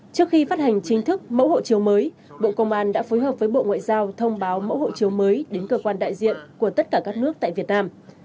trước khi phát hành chính thức mẫu hộ chiếu mới bộ công an đã phối hợp với bộ ngoại giao thông báo mẫu hộ chiếu mới đến cơ quan đại diện của tất cả các nước tại việt nam